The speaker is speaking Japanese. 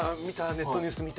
ネットニュース見た。